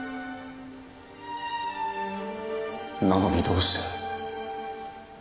なのにどうして。